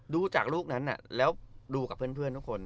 ดูจากรูปนั้นแล้วดูกับเพื่อนทุกคน